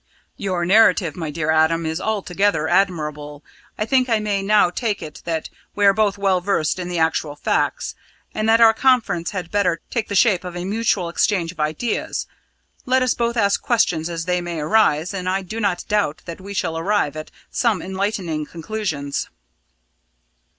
"Your narrative, my dear Adam, is altogether admirable. I think I may now take it that we are both well versed in the actual facts, and that our conference had better take the shape of a mutual exchange of ideas. Let us both ask questions as they may arise; and I do not doubt that we shall arrive at some enlightening conclusions."